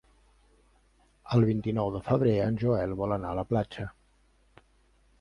El vint-i-nou de febrer en Joel vol anar a la platja.